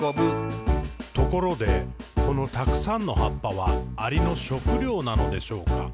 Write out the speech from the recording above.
「ところで、このたくさんの葉っぱは、アリの食料なのでしょうか？